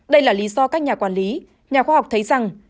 đây là lý do các nhà quản lý nhà khoa học thấy rằng